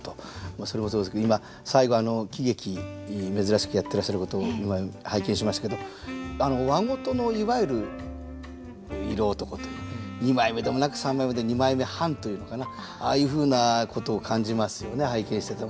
それもそうですけど今最後喜劇珍しくやってらっしゃることを今拝見しましたけど和事のいわゆる色男という二枚目でもなく三枚目で二枚目半というのかなああいうふうなことを感じますよね拝見してても。